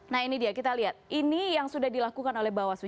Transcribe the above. nah ini dia kita lihat ini yang sudah dilakukan oleh bawaslu